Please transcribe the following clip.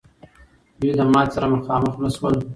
دوی له ماتي سره مخامخ نه سول.